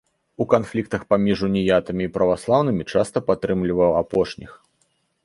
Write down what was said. У канфліктах паміж уніятамі і праваслаўнымі часта падтрымліваў апошніх.